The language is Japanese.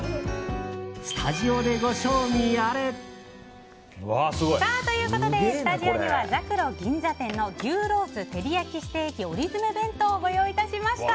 スタジオでご賞味あれ！ということで、スタジオにはざくろ銀座店の牛ロースてり焼きステーキ折詰弁当をご用意いたしました。